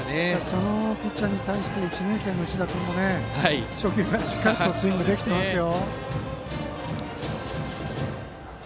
そのピッチャーに対して１年生の石田君も初球からしっかりスイングできてますよ。